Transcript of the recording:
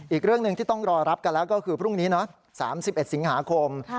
อีกเรื่องหนึ่งที่ต้องรอรับกันแล้วก็คือพรุ่งนี้๓๑สิงหาคม